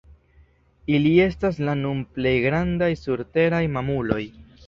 Ili estas la nun plej grandaj surteraj mamuloj.